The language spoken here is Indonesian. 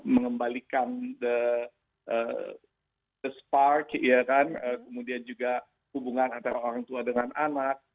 mengembalikan kembali hubungan antara orang tua dengan anak